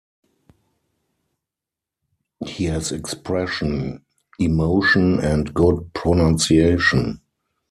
He has expression, emotion and good pronunciation.